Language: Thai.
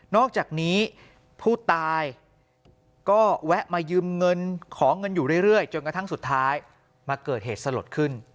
อกจากนี้ผู้ตายก็แวะมายืมเงินขอเงินอยู่เรื่อยจนกระทั่งสุดท้ายมาเกิดเหตุสลดขึ้น